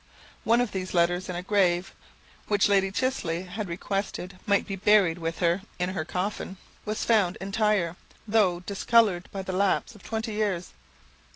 One of these letters in a grave, which Lady Chichley had requested might be buried with her in her coffin, was found entire, though discoloured by the lapse of twenty years.